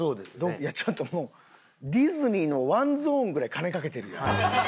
ちょっともうディズニーのワンゾーンぐらい金かけてるやん。